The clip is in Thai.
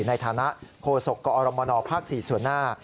ในฐานะโคศกกอรมนภ๔ส่วนหน้า